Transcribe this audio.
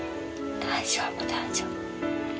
大丈夫大丈夫。